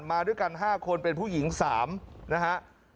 มาด้วยกัน๕คนเป็นผู้หญิง๓นะฮะ